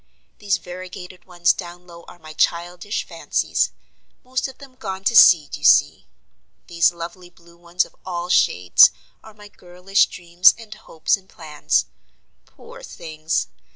These variegated ones down low are my childish fancies; most of them gone to seed you see. These lovely blue ones of all shades are my girlish dreams and hopes and plans. Poor things!